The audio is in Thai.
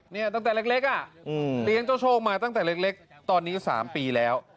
ตั้งแต่เล็กอ่ะเลี้ยงเจ้าโชคมาตั้งแต่เล็กตอนนี้๓ปีแล้ว